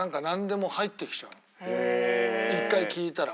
一回聞いたら。